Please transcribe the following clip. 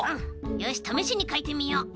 よしためしにかいてみよう。